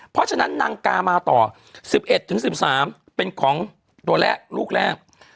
เพราะฉะนั้นนางกามาต่อ๑๑๑๑๓เป็นของตัวแรกลูกแรก